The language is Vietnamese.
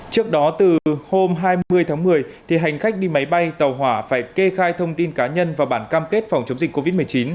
trước đó từ hôm hai mươi tháng một mươi hành khách đi máy bay tàu hỏa phải kê khai thông tin cá nhân và bản cam kết phòng chống dịch covid một mươi chín